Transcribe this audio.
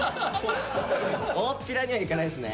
おおっぴらにはいかないですね。